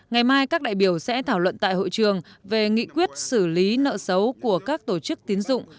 ngày mai các đại biểu sẽ thảo luận tại hội trường về nghị quyết xử lý nợ xấu của các tổ chức tín dụng